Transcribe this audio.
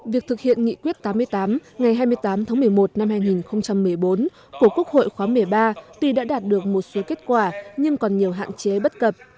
việc thực hiện nghị quyết tám mươi tám ngày hai mươi tám tháng một mươi một năm hai nghìn một mươi bốn của quốc hội khóa một mươi ba tuy đã đạt được một số kết quả nhưng còn nhiều hạn chế bất cập